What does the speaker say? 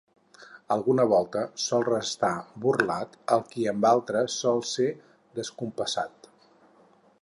Alguna volta sol restar burlat el qui amb altres sol ser descompassat.